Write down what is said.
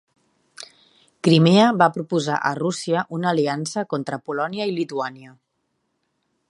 Crimea va proposar a Rússia una aliança contra Polònia i Lituània.